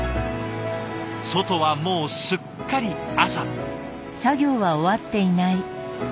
外はもうすっかり朝。